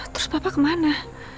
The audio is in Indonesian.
terus papa kemana